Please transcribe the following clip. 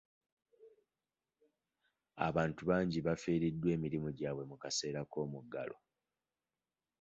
Abantu bangi bafiiriddwa emirimu gyabwe mu kaseera k'omuggalo.